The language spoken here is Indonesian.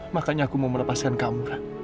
makanya aku mau melepaskan kamu